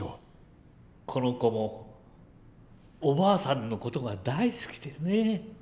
この子もおばあさんの事が大好きでね。